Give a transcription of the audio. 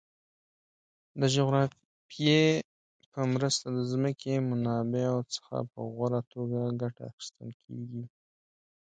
د جغرافیه په مرسته د ځمکې منابعو څخه په غوره توګه ګټه اخیستل کیږي.